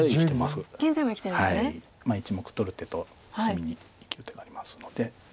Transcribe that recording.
１目取る手と隅に生きる手がありますので。